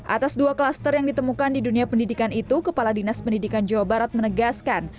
atas dua klaster yang ditemukan di dunia pendidikan itu kepala dinas pendidikan jawa barat menegaskan